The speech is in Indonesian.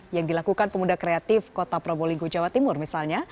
yang dilakukan pemuda kreatif kota probolinggo jawa timur misalnya